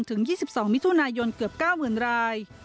ถึง๒๒มิถุนายนเกือบ๙๐๐ราย